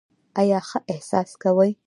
ایا ښه احساس کوئ؟